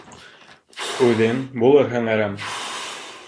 Үҙең булырһың әрәм.